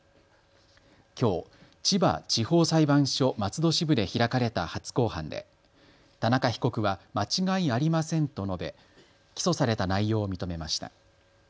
きょう千葉地方裁判所松戸支部で開かれた初公判で田中被告は間違いありませんと述べ起訴された内容を認めました。